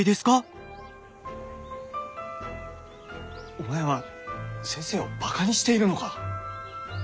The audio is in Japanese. お前は先生をバカにしているのか？